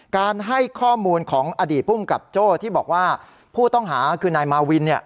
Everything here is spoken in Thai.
การให้ข้อมูลของอดีตภูมิกับโจ้ที่บอกว่าผู้ต้องหาคือนายมาวิน